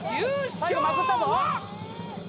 最後まくったぞ！